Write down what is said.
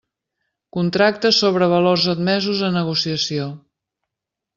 Contractes sobre valors admesos a negociació.